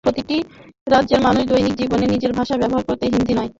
কিন্তু প্রতিটি রাজ্যের মানুষ দৈনন্দিন জীবনে নিজেদের ভাষা ব্যবহার করছে—হিন্দি নয়।